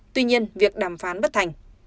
tuy nhiên việc đàm phán bất thành